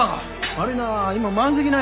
悪いな今満席なんや。